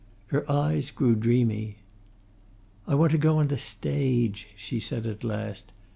Her eyes grew dreamy. "I want to go on the stage," she said at last.